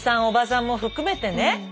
おばさんも含めてね